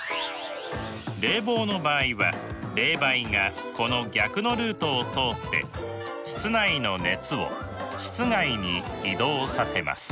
冷房の場合は冷媒がこの逆のルートを通って室内の熱を室外に移動させます。